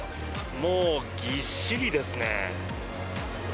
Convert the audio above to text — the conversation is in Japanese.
もうぎっしりですね。